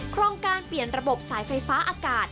โครงการเปลี่ยนระบบสายไฟฟ้าอากาศ